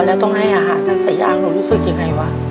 แต่พอแล้วต้องให้อาหารทั้งสายร้างตลอดรู้สึกยังไงวะ